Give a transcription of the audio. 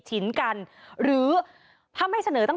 ทีนี้จากรายทื่อของคณะรัฐมนตรี